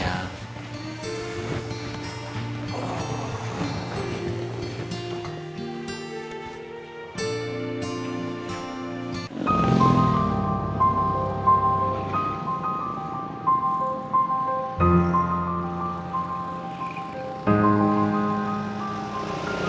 oh ya sudah sudah